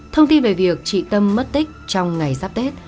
thông tin về việc chị tâm mất tích trong ngày giáp tết